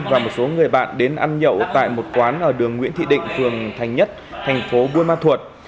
và một số người bạn đến ăn nhậu tại một quán ở đường nguyễn thị định phường thành nhất thành phố buôn ma thuột